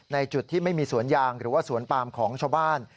จุดที่ไม่มีสวนยางหรือว่าสวนปามของชาวบ้าน